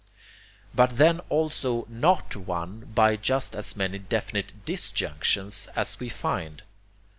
But then also NOT one by just as many definite DISjunctions as we find.